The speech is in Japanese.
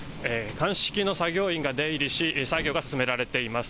鑑識の作業員が出入りし作業が進められています。